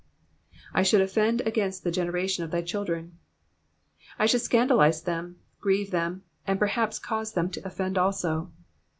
i shotdd offend against the generation of thy children,''^ I should scandalise them, grieve them, and perhaps cause them to offend also.